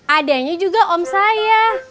adanya juga om saya